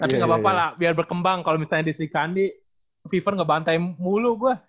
tapi gapapa lah biar berkembang kalo misalnya di sri kandi viver ngebantai mulu gue